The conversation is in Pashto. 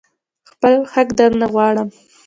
خپل حق درنه غواړم.